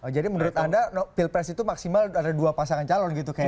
jadi menurut anda pilpres itu maksimal ada dua pasangan calon gitu kayaknya